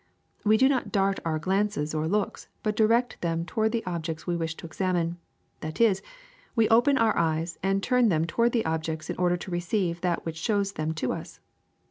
We do not dart our glances or looks, but direct them toward the objects we wish to examine ; that is, we open our eyes and turn them toward these objects in order to receive that which shows them to us.